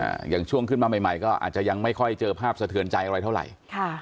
อย่างช่วงขึ้นมาใหม่ใหม่ก็อาจจะยังไม่ค่อยเจอภาพสะเทือนใจอะไรเท่าไหร่ค่ะ